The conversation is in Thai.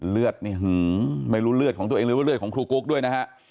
เลือดนี่ไม่รู้เลือดของตัวเองหรือว่าเลือดของครูกุ๊กด้วยนะฮะ